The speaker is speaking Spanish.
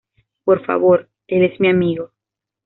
Por favor. Él es mi amigo.